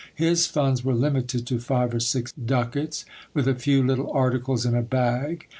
His funds were limited to live or six ducats, with a few little articles in a bag.